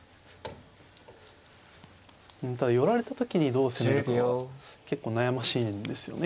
ただ寄られた時にどう攻めるかは結構悩ましいんですよね